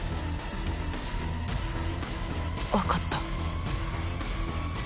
わかった。